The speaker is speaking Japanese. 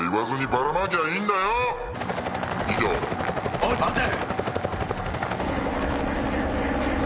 おい待て！